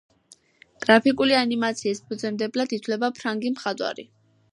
გრაფიკული ანიმაციის ფუძემდებლად ითვლება ფრანგი მხატვარი